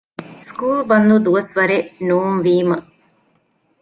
ސްކޫލް ބަންދު ދުވަސްވަރެއް ނޫންވީމަ